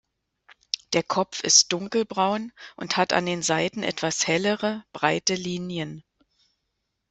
Der Kopf ist dunkelbraun und hat an den Seiten etwas hellere, breite Linien.